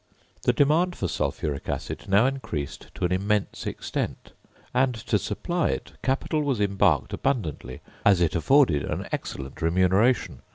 The demand for sulphuric acid now increased to an immense extent; and, to supply it, capital was embarked abundantly, as it afforded an excellent remuneration.